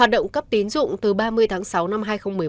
hoạt động cấp tín dụng từ ba mươi tháng sáu năm hai nghìn một mươi bốn